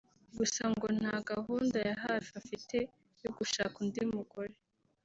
gusa ngo nta gahunda ya hafi afite yo gushaka undi mugore